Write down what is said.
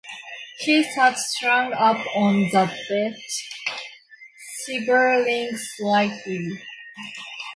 He sat strung up on the bed, shivering slightly.